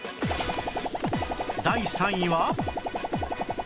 第３位は